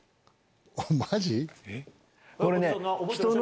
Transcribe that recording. マジ？